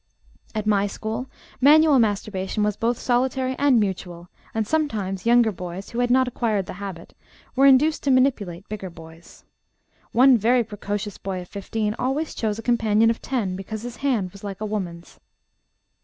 "At my school, manual masturbation was both solitary and mutual; and sometimes younger boys, who had not acquired the habit, were induced to manipulate bigger boys. One very precocious boy of fifteen always chose a companion of ten 'because his hand was like a woman's.'